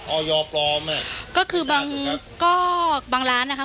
ออยปลอมอ่ะก็คือบางก็บางร้านนะคะ